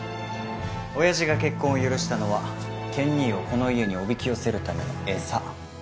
親父が結婚を許したのは健兄をこの家におびき寄せるための餌。